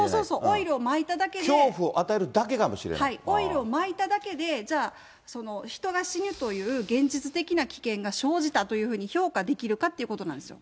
オイルまいた恐怖を与えるだけかもしれなオイルをまいただけで、じゃあ、人が死ぬという現実的な危険が生じたというふうに評価できるかっていうことなんですよ。